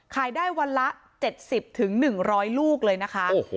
ขายได้วันละเจ็ดสิบถึงหนึ่งร้อยลูกเลยนะคะโอ้โห